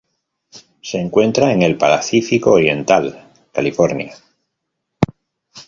Se encuentra en el Pacífico oriental: California.